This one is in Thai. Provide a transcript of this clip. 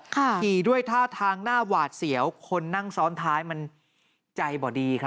ขี่ด้วยท่าทางหน้าหวาดเสียวคนนั่งซ้อนท้ายมันใจบ่ดีครับ